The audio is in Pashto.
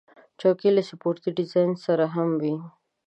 چوکۍ له سپورټي ډیزاین سره هم وي.